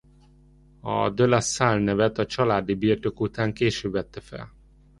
A de La Salle nevet a családi birtok után később vette fel.